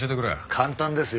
簡単ですよ。